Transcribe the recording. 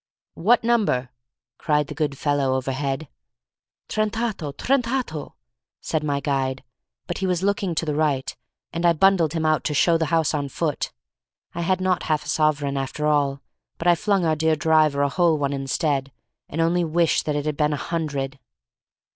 "What number?" cried the good fellow over head. "Trentotto, trentotto," said my guide, but he was looking to the right, and I bundled him out to show the house on foot. I had not half a sovereign after all, but I flung our dear driver a whole one instead, and only wish that it had been a hundred.